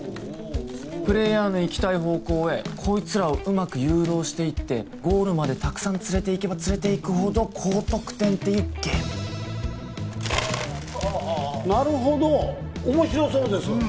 プレイヤーの行きたい方向へこいつらをうまく誘導していってゴールまでたくさん連れていけば連れていくほど高得点っていうゲーム・ああっなるほど面白そうです